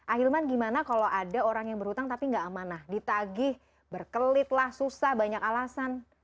ahilman gimana kalau ada orang yang berhutang tapi nggak amanah ditagih berkelit lah susah banyak alasan